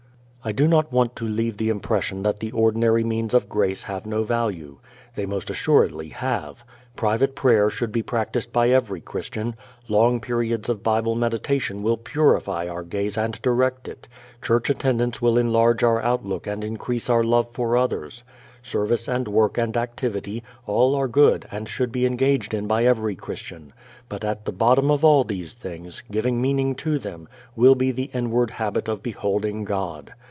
I do not want to leave the impression that the ordinary means of grace have no value. They most assuredly have. Private prayer should be practiced by every Christian. Long periods of Bible meditation will purify our gaze and direct it; church attendance will enlarge our outlook and increase our love for others. Service and work and activity; all are good and should be engaged in by every Christian. But at the bottom of all these things, giving meaning to them, will be the inward habit of beholding God.